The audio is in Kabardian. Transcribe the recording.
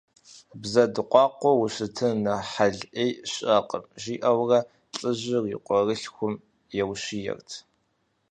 Бзэ дыкъуакъуэу ущытын нэхъ хьэл Ӏей щыӀэкъым, – жиӀэурэ лӀыжьыр и къуэрылъхум еущиерт.